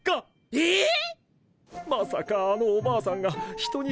えっ！？